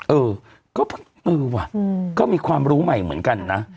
เออก็เออว่ะก็มีความรู้ใหม่เหมือนกันนะ